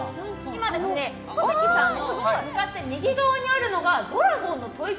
今、小関さんの向かって右側にあるのが、ドラゴンの吐息